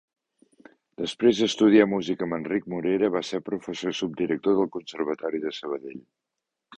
Després d'estudiar música amb Enric Morera, va ser professor i subdirector del Conservatori de Sabadell.